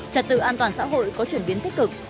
trật tự an toàn xã hội có chuyển biến tích cực